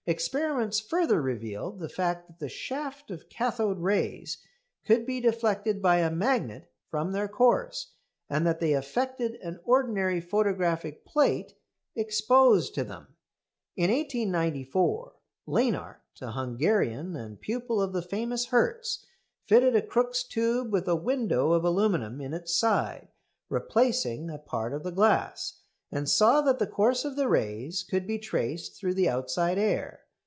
Experiments further revealed the fact that the shaft of "Cathode rays" could be deflected by a magnet from their course, and that they affected an ordinary photographic plate exposed to them. In 1894 Lenard, a Hungarian, and pupil of the famous Hertz, fitted a Crookes' tube with a "window" of aluminium in its side replacing a part of the glass, and saw that the course of the rays could be traced through the outside air.